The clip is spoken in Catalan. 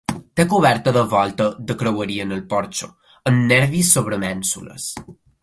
Té coberta de volta de creueria en el porxo, amb nervis sobre mènsules.